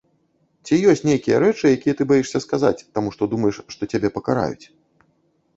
Ці ёсць нейкія рэчы, якія ты баішся сказаць, таму што думаеш, што цябе пакараюць?